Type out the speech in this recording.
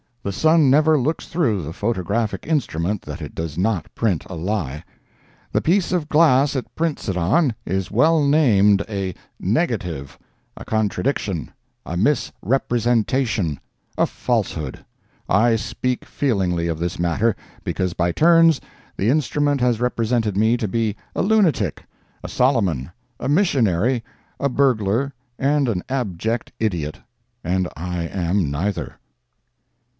The sun never looks through the photographic instrument that it does not print a lie. The piece of glass it prints it on is well named a "negative"—a contradiction—a misrepresentation—a falsehood. I speak feelingly of this matter, because by turns the instrument has represented me to be a lunatic, a Soloman, a missionary, a burglar and an abject idiot, and I am neither.